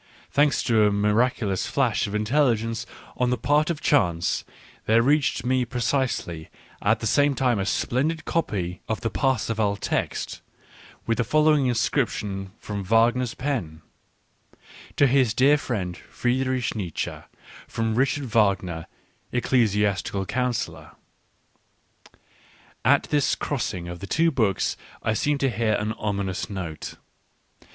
Thanks to a miraculous flash of intelligence on the part of chance, there reached me precisely at the same time a splendid copy of the Parsifal text, with the following inscription from Wagner's pen : "To his dear friend Friedrich Nietzsche, from Richard Wagner, Ecclesiastical Councillor." At this crossing of the two books I seemed to hear an ominous note.